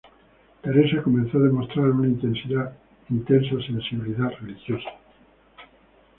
Teresa comenzó a demostrar una intensa sensibilidad religiosa.